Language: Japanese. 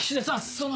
その。